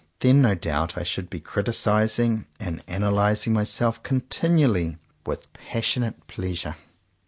Then no doubt I should be criticising and analyzing myself continually, with passion ate pleasure.